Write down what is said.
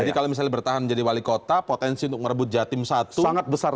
jadi kalau bertahan menjadi wali kota potensi untuk merebut jawa timur satu sangat besar